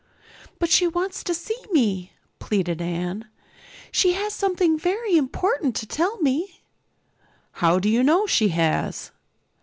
"But she wants to see me," pleaded Anne. "She has something very important to tell me." "How do you know she has?"